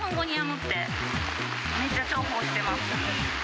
めっちゃ重宝してます。